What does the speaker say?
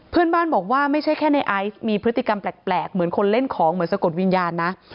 เพื่อนบ้านบอกว่าไม่ใช่แค่ในไอซ์มีพฤติกรรมแปลกเหมือนคนเล่นของเหมือนสะกดวิญญาณนะ